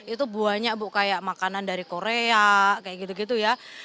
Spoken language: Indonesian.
itu banyak bu kayak makanan dari korea kayak gitu gitu ya